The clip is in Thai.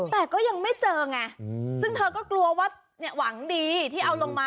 แต่ก็ยังไม่เจอไงซึ่งเธอก็กลัวว่าหวังดีที่เอาลงมา